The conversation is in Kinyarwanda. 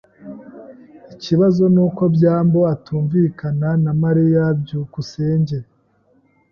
Ikibazo nuko byambo atumvikana na Mariya. byukusenge